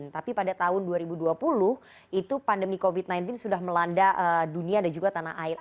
tapi pada tahun dua ribu dua puluh itu pandemi covid sembilan belas sudah melanda dunia dan juga tanah air